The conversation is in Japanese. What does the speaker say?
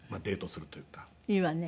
いいわね。